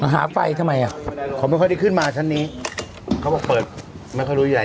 ไฟทำไมอ่ะเขาไม่ค่อยได้ขึ้นมาชั้นนี้เขาบอกเปิดไม่ค่อยรู้ใหญ่